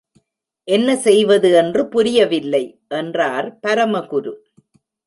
என்ன செய்வது என்று புரியவில்லை, என்றார் பரமகுரு.